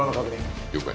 了解。